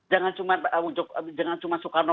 jangan cuma soekarno